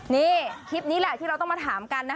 นี่คลิปนี้แหละที่เราต้องมาถามกันนะ